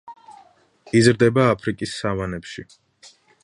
იზრდება აფრიკის სავანებში.